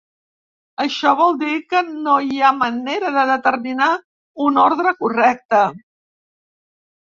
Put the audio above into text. Això vol dir que no hi ha manera de determinar un ordre correcte.